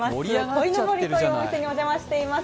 恋のぼりというお店にお邪魔しています。